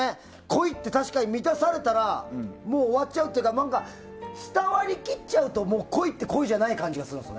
恋って、確かに満たされたら終わっちゃうというか伝わり切っちゃうと恋って恋じゃない気がする。